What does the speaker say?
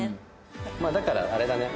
まあだからあれだね